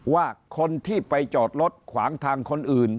ว่าคนที่ไปจอดรถขวางทางคนอื่น